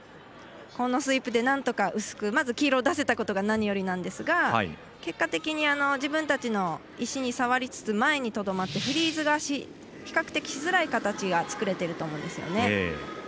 このスイープで、なんとか薄くまず黄色を出せたことが何よりなんですが結果的に自分たちの石に触りつつ前にとどまってフリーズが比較的しづらい形が作れていると思いますね。